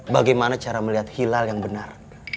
bagaimana cara melihat hilal yang benar